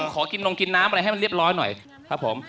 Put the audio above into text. ขอกินนมกินน้ำอะไรให้มันเรียบร้อยหน่อยครับผม